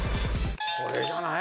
これじゃない？